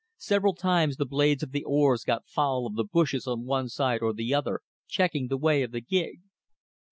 Several times the blades of the oars got foul of the bushes on one side or the other, checking the way of the gig.